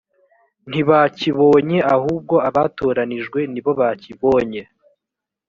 ntibakibonye ahubwo abatoranijwe ni bo bakibonye